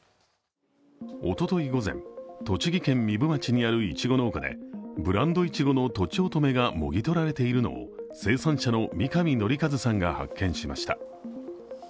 おととい午前、栃木県壬生町にあるいちご農家で、ブランドいちごのとちおとめがもぎ取られているのを生産者の三上哲一さんが発見しました。